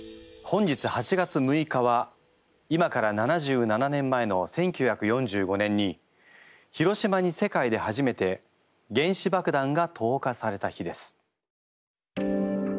本日８月６日は今から７７年前の１９４５年に広島に世界で初めて原子爆弾が投下された日です。